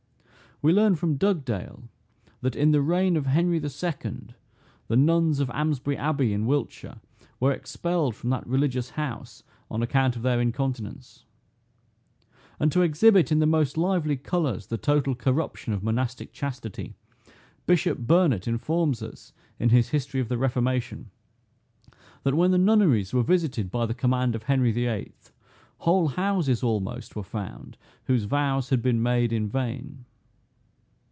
We learn from Dugdale, that in the reign of Henry the Second, the nuns of Amsbury abbey in Wiltshire were expelled from that religious house on account of their incontinence. And to exhibit in the most lively colors the total corruption of monastic chastity, bishop Burnet informs us in his "History of the Reformation," that when the nunneries were visited by the command of Henry the VIII. "whole houses almost, were found whose vows had been made in vain."